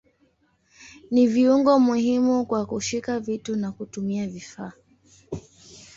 Ni viungo muhimu kwa kushika vitu na kutumia vifaa.